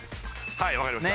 はい分かりました